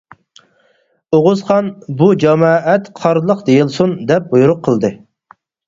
ئوغۇزخان «بۇ جامائەت قارلىق دېيىلسۇن» دەپ بۇيرۇق قىلدى.